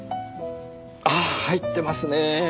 ああ入ってますねえ！